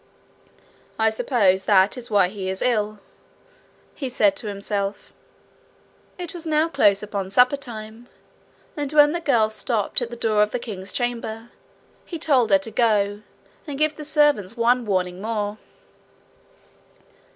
'I suppose that is why he is ill,' he said to himself. It was now close upon suppertime, and when the girl stopped at the door of the king's chamber, he told her to go and give the servants one warning more.